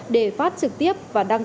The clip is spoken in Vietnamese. để phát trực tiếp và đăng ký